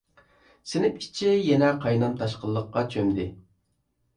سىنىپ ئىچى يەنە قاينام-تاشقىنلىققا چۆمدى.